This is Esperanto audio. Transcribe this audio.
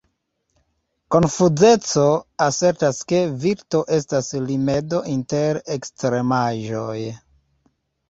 Konfuceo asertas ke virto estas rimedo inter ekstremaĵoj.